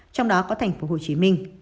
trong đó có tp hcm